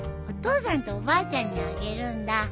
お父さんとおばあちゃんにあげるんだ。